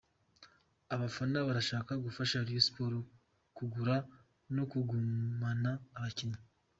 Abafana barashaka gufasha Rayon Sports kugura no kugumana abakinnyi.